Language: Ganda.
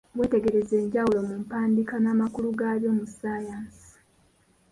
Wetegereze enjawulo mu mpandiika n'amakulu gabyo mu ssayansi